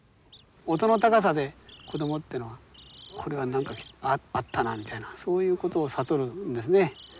音の高さで子供っていうのは「これは何かあったな」みたいなそういうことを悟るんですね。